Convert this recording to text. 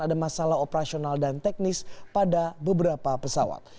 ada masalah operasional dan teknis pada beberapa pesawat